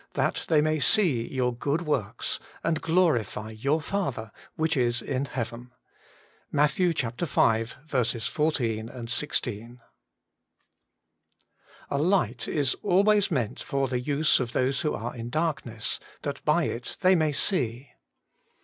that they may see your good works, and glorify your Father which is in heaven,' — Matt. v. 14, 16. ALIGHT is always meant for the use of those who are in darkness, that by it they may see.